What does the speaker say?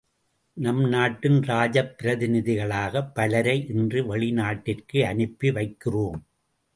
நம் நாட்டின் ராஜப் பிரதிநிதிகளாக பலரை இன்று வெளி நாட்டிற்கு அனுப்பி வைக்கிறோம்.